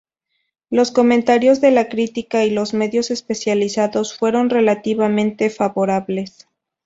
Los comentarios de la crítica y los medios especializados fueron relativamente favorables.